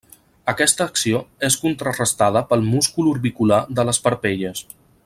Aquesta acció és contrarestada pel múscul orbicular de les parpelles.